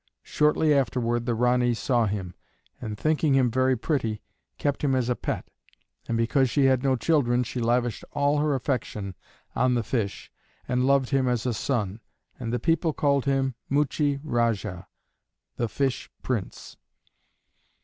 Shortly afterward the Ranee saw him, and thinking him very pretty, kept him as a pet; and because she had no children she lavished all her affection on the fish and loved him as a son; and the people called him Muchie Rajah (the Fish Prince).